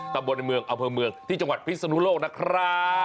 ตำบลในเมืองอำเภอเมืองที่จังหวัดพิศนุโลกนะครับ